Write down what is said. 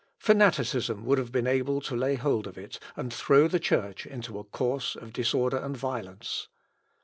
Fanaticism would have been able to lay hold of it, and throw the Church into a course of disorder and violence.